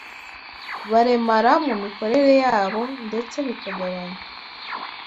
baremara mu mikorere yabo, ndetse bikagabanya